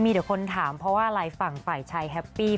มีแต่คนถามเพราะว่าอะไรฝั่งฝ่ายชายแฮปปี้